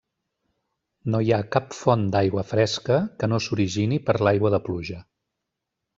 No hi ha cap font d'aigua fresca que no s'origini per l'aigua de pluja.